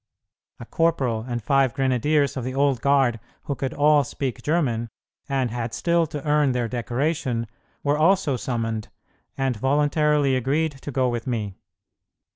A corporal and five grenadiers of the old guard who could all speak German, and had still to earn their decoration, were also summoned, and voluntarily agreed to go with me.